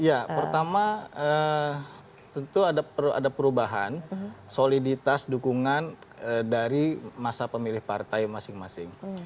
ya pertama tentu ada perubahan soliditas dukungan dari masa pemilih partai masing masing